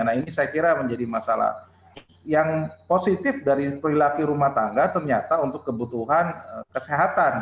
nah ini saya kira menjadi masalah yang positif dari perilaku rumah tangga ternyata untuk kebutuhan kesehatan